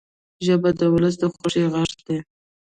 ژبه د ولس د خوښۍ غږ دی